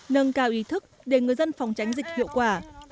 nâng cao ý thức để người dân phòng tránh dịch hiệu quả